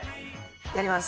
やります。